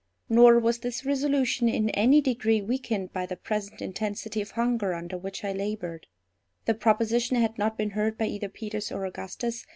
Nor was this resolution in any degree weakened by the present intensity of hunger under which I laboured. The proposition had not been heard by either Peters or Augustus.